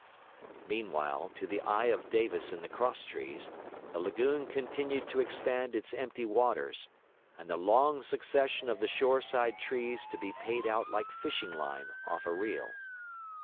Meanwhile, to the eye of Davis in the cross trees, the lagoon continued to expand its empty waters, and the long succession of the shore side trees to be paid out like fishing line off a reel.